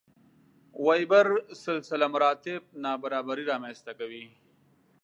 وېبر سلسله مراتب نابرابري رامنځته کوي.